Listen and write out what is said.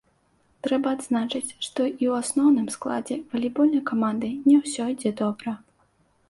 Трэба адзначыць, што і ў асноўным складзе валейбольнай каманды не ўсё ідзе добра.